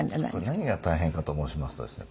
何が大変かと申しますとですね